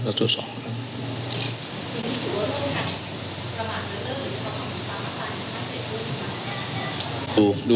แต่เจ้าตัวก็ไม่ได้รับในส่วนนั้นหรอกนะครับ